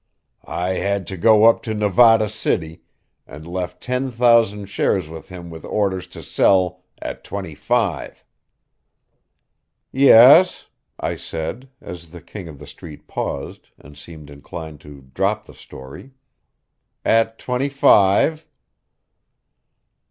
I had to go up to Nevada City, and left ten thousand shares with him with orders to sell at twenty five." "Yes," I said, as the King of the Street paused and seemed inclined to drop the story. "At twenty five."